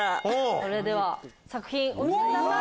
それでは作品お見せください。